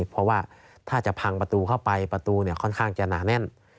เพราะว่าถ้าจะพังประตูเข้าไปประตูค่อนข้างจะหนาแน่น